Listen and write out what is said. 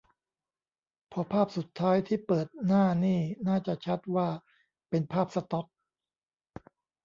พอภาพสุดท้ายที่เปิดหน้านี่น่าจะชัดว่าเป็นภาพสต็อก